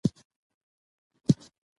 واک د قانون له خوا کنټرولېږي.